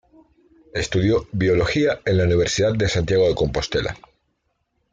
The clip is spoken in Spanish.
Estudió biología en la Universidad de Santiago de Compostela.